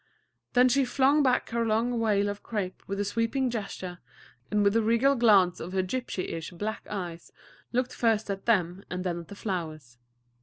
Then she flung back her long veil of crape with a sweeping gesture, and with a regal glance of her gypsyish black eyes looked first at them and then at the flowers.